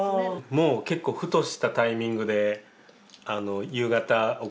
もう結構ふとしたタイミングで夕方お声がけくれて。